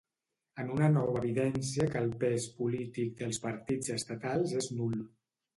En una nova evidència que el pes polític dels partits estatals és nul.